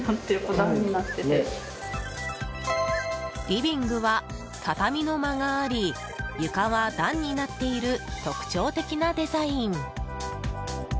リビングは、畳の間があり床は段になっている特徴的なデザイン。